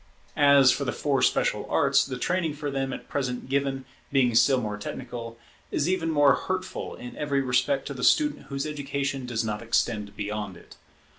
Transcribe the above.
As for the four special arts, the training for them at present given, being still more technical, is even more hurtful in every respect to the student whose education does not extend beyond it.